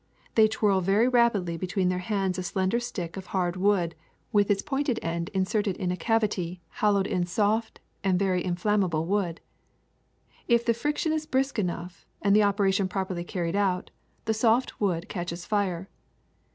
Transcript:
They twirl very rapidly between their hands a slender stick of hard wood with its pointed end inserted in a cavity hoi FIRE 107 lowed in soft and very inflammable wood. If the friction is brisk enough and the operation properly carried out, the soft wood catches fire.